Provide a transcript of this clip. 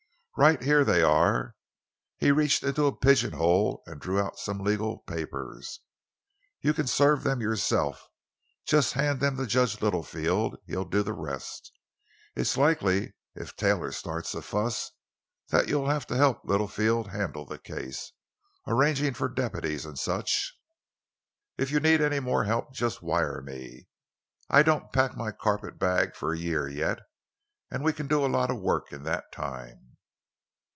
Right here they are." He reached into a pigeon hole and drew out some legal papers. "You can serve them yourself. Just hand them to Judge Littlefield—he'll do the rest. It's likely—if Taylor starts a fuss, that you'll have to help Littlefield handle the case—arranging for deputies, and such. If you need any more help, just wire me. I don't pack my carpetbag for a year yet, and we can do a lot of work in that time."